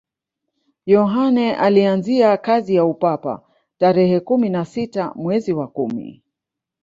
yohane alianzia kazi ya upapa tarehe kumi na sita mwezi wa kumi